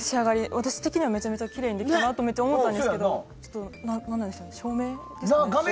私的にはめちゃめちゃきれいにできたなと思ったんですけどちょっと何ででしょう。